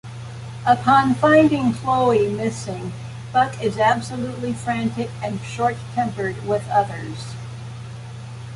Upon finding Chloe missing, Buck is absolutely frantic and short-tempered with others.